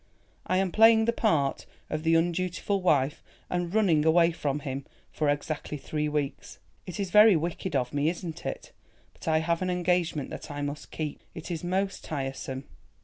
"I am playing the part of the undutiful wife and running away from him, for exactly three weeks. It is very wicked of me, isn't it? but I have an engagement that I must keep. It is most tiresome."